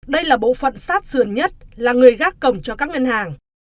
đây là bộ phận sát sườn nhất là người gác cổng cho các ngân hàng